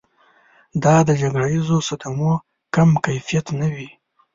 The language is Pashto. دا د جګړیزو صدمو کم کیفیت نه وي.